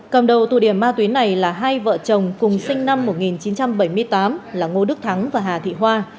cầm đầu tụ điểm ma túy này là hai vợ chồng cùng sinh năm một nghìn chín trăm bảy mươi tám là ngô đức thắng và hà thị hoa